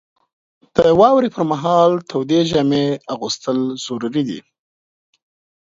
• د واورې پر مهال تودې جامې اغوستل ضروري دي.